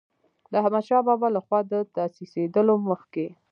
د احمدشاه بابا له خوا د تاسیسېدلو مخکې.